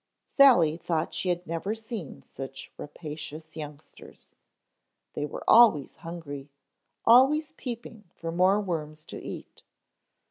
Sally thought she had never seen such rapacious youngsters. They were always hungry, always peeping for more worms to eat.